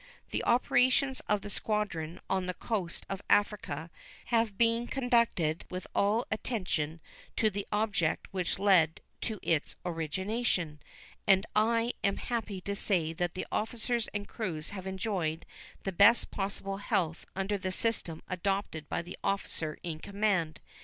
The operations of the squadron on the coast of Africa have been conducted with all due attention to the object which led to its origination, and I am happy to say that the officers and crews have enjoyed the best possible health under the system adopted by the officer in command.